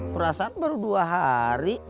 perasaan baru dua hari